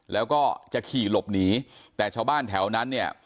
แล้วก็จะขี่หลบหนีแต่ชาวบ้านแถวนั้นเนี่ย